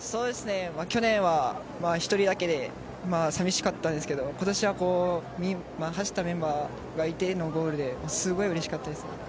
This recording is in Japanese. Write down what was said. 去年は１人だけで寂しかったんですけど今年は走ったメンバーがいてのゴールですごいうれしかったですね。